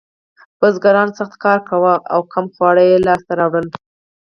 بزګرانو سخت کار کاوه او کم خواړه یې لاسته راوړل.